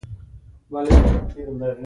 ستا بډاتوب د غوايي پورتنی غاښ شو.